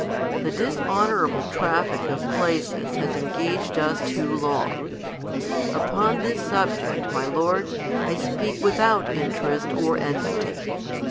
The dishonorable traffic of pieces has engaged us too long. Upon this subject, my lords, I speak without interest or enmity.